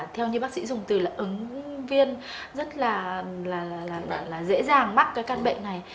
theo như bác sĩ dùng từ là ứng viên rất là dễ dàng mắc cái căn bệnh này